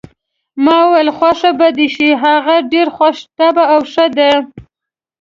ما وویل: خوښه به دې شي، هغه ډېره خوش طبع او ښه ده.